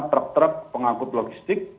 truk truk pengangkut logistik